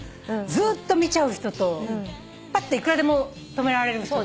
ずっと見ちゃう人とパッていくらでも止められる人と。